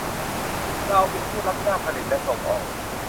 เราเป็นผู้รับจ้างผลิตและส่งออก